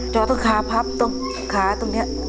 เจาะตรงขาพับตรงขาตรงนี้